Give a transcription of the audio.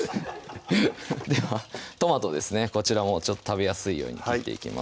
ではトマトですねこちらも食べやすいように切っていきます